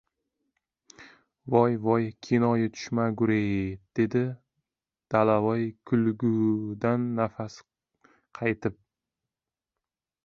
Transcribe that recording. — Voy, voy kennoyi tushmagur-ey! — dedi Dalavoy kulgidan nafasi qaytib.